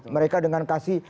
mereka dengan kasih